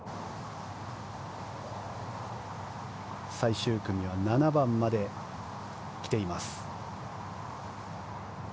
最終組は７番まで来ています。